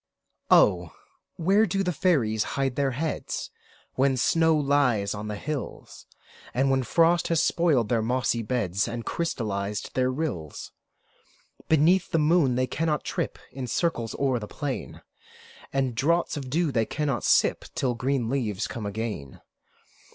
Oh ! where do fairies hide their heads, When snow lies on the hills, When frost has spoiled their mossy beds, And crystallized their rills? Beneath the moon they cannot trip In circles o'er the plain ; And draughts of dew they cannot sip, Till green leaves come again.